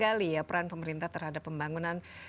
dan juga menggali peran pemerintah terhadap pembangunan kesehatan